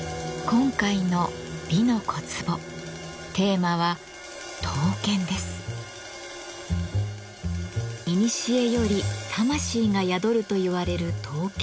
今回の「美の小壺」テーマはいにしえより魂が宿るといわれる刀剣。